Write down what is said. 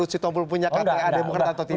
sitompul punya kta demokrat atau tidak